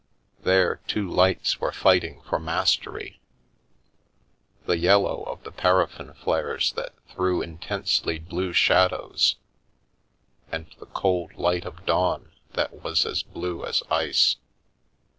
There two lights were fighting for mastery — the yel low of the paraffin flares that threw intensely blue shad ows, and the cold light of dawn that was as blue as ice.